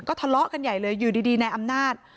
ทะเลาะกันใหญ่เลยอยู่ดีนายอำนาจ